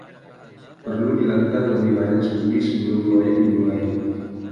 Perlu dilakukan lebih banyak studi sebelum proyek dimulai.